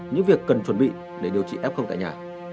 những việc cần chuẩn bị để điều trị f tại nhà